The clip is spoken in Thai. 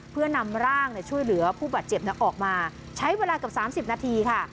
เพื่อนำร่างเนี้ยช่วยเหลือผู้บาดเจ็บเนี้ยออกมาใช้เวลากับสามสิบนาทีค่ะ